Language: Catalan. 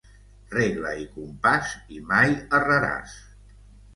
Regla i compàs i mai erraràs.